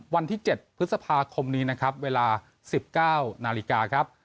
วันที่๗พฤษภาคมนี้นะครับเวลา๑๙นาฬิกาครับ